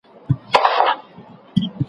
پلان جوړونه د اقتصادي نظام روح دی.